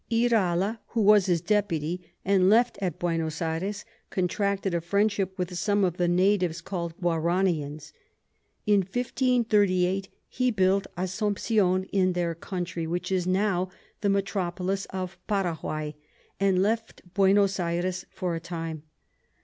Irala who was his Deputy, and left at Buenos Ayres, contracted a Friendship with some of the Natives call'd Guaranians. In 1538. he built Assumption in their Country, which is now the Metropolis of Paraguay, and left Buenos Ayres for a time.